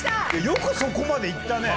よくそこまでいったね。